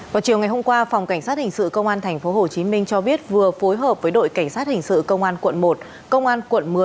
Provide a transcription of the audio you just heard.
vào chiều ngày hôm qua phòng cảnh sát hình sự công an tp hcm cho biết vừa phối hợp với đội cảnh sát hình sự công an tp hcm